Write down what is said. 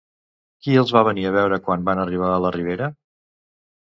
Qui els va venir a veure quan van arribar a la ribera?